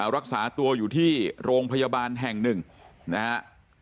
รักษาตัวอยู่ที่โรงพยาบาลแห่งหนึ่งนะฮะ